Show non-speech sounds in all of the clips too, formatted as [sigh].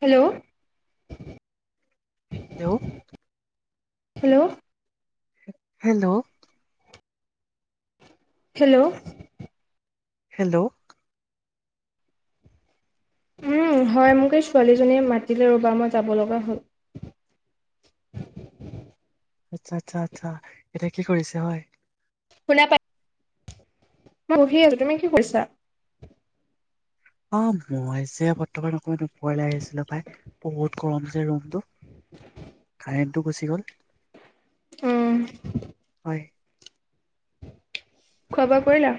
Hello. Hello. Hello. Hello. Hello. Hello. উম, হয় মোক এই ছোৱালীজনীয়ে মাতিলে ৰবা মই যাব লগা হল। আচ্ছা আচ্ছা আচ্ছা এতিয়া কি কৰিছে হয়। শুনা পাই মই বহি আছো তুমি কি কৰিছা? অহ মই যে বৰ্তমান অকমান ওপৰলৈ আহিছিলো পায়, বহুত গৰম যে ৰুমটো কাৰেণ্টটো গুচি গল। অহ। হয়। খোৱা বোৱা কৰিলা?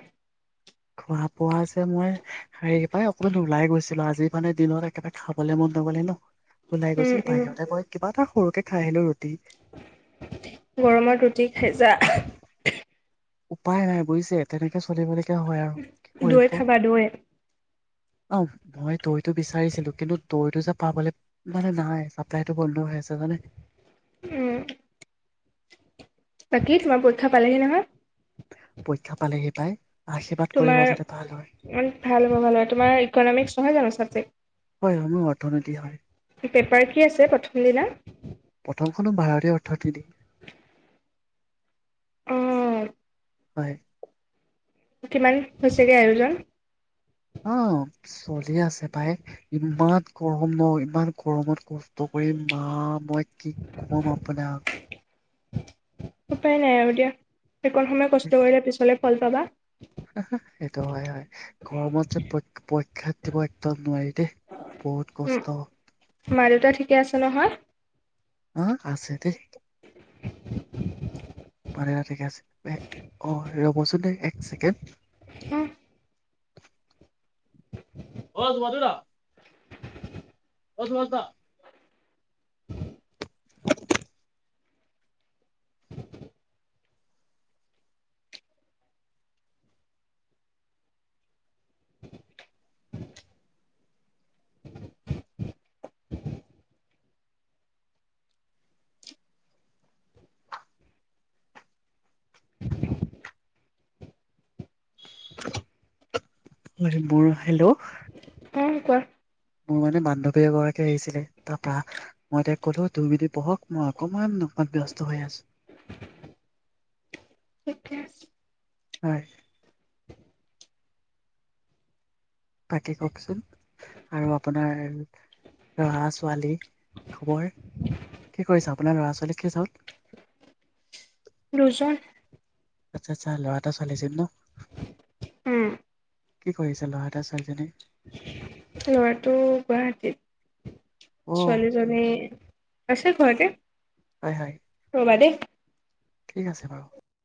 খোৱা বোৱা যে মই হেৰি পাই অকণমান ওলাই গৈছিলো। আজি মানে দিনত একেবাৰে খাবলৈ মন নগলে ন ওলাই উম গৈছিলো উম বাহিৰতে গৈ কিবা এটা সৰুকে খাই আহিলো ৰুটি। গৰমত ৰুটি খাইছা [inaudible] উপায় নাই বুজিছে তেনেকে চলিব লে দৈ খাবা দৈ? অ', ভয় দৈটো বিচাৰিছিলো কিন্তু দৈটো যে পাবলে বাল নাই চ তাইটো বন্ধ হৈ আছে জানে? উম। লাকি তোমাৰ পৰীক্ষা পালেহি নহয়। পৰীক্ষা পালেহি তাই। তোমাৰ ইমান ভাল হ'ব ভাল হব তোমাৰ ইকনমিক্স নহয় জানো চাবজেক্ট? হয় সময় অৰ্থনীতি হয়। পেপাৰ কি আছে প্ৰথম দিনা? প্ৰথমখনো ভাৰতীয় অৰ্থনীতি। অ। হয়। কিমান হৈছেগে আয়োজন? অ, ' চলি আছে পাই ইমান গৰম ন ইমান গৰমত কষ্ট কৰিম মা মই কি কম আপোনাক। উপায় নাই আৰু দিয়া। এইকণ সময়ে কষ্ট কৰিলে পিছলৈ ফল পাবা সেইটো হয় হয় গৰমত যে পৰীক্ষা দিব একদম নোৱাৰি দেই বহুত উম কষ্টহয়। মা দেউতা ঠিকে আছে নহয়? অহ, আছে দেই। পাৰে ঠিকে আছে অ', ৰ'বচোন দে এক ছেকেণ্ড। হা? অ', মাধুৰা। অ', সুভাষ দা। হয়, মোৰ হেল্ল'। অ', কোৱা। মোৰ মানে বান্ধৱী এগৰাকী আহিছিলে তাৰ পা মই তাইক কলো দুই মিনিট বহক মই অকমান অকমান ব্যস্ত হৈ আছো ঠিকে আছে হয় বাকী কওকচোন আৰু আপোনাৰ লৰা ছোৱালী খবৰ কি কৰিছা আপোনাৰ লৰা ছোৱালী কেজন লোজা আচ্ছা আচ্ছা ল'ৰা এটা ছোৱালী এজনী ন উম, কি কৰি আছে ল'ৰা এটা ছোৱালীজনী লৰাটো গুৱাহাটীত ছোৱালীজনী অ আছে ঘৰতে হয় হয় বা দে ঠিক আছে বাৰু